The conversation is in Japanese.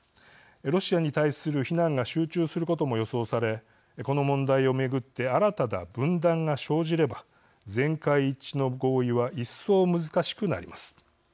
ロシアに対する非難が集中することも予想されこの問題を巡って新たな分断が生じれば全会一致の合意はいっそう、難しくなります。